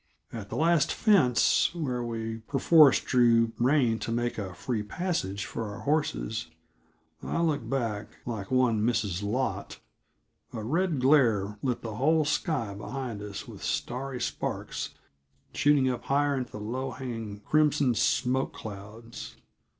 At the last fence, where we perforce drew rein to make a free passage for our horses, I looked back, like one Mrs. Lot. A red glare lit the whole sky behind us with starry sparks, shooting up higher into the low hanging crimson smoke clouds.